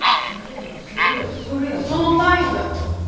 それやそれやそれやその態度や。